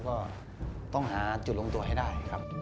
ก็ต้องหาจุดลงตัวให้ได้ครับ